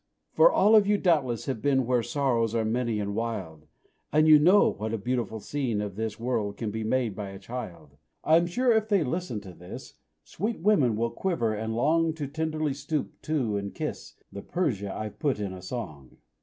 For all of you doubtless have been Where sorrows are many and wild; And you know what a beautiful scene Of this world can be made by a child: I am sure, if they listen to this, Sweet women will quiver, and long To tenderly stoop to and kiss The Persia I've put in a song.